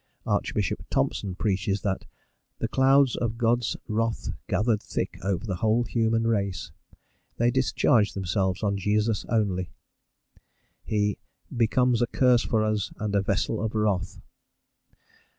Archbishop Thomson preaches that "the clouds of God's wrath gathered thick over the whole human race: they discharged themselves on Jesus only;" he "becomes a curse for us, and a vessel of wrath."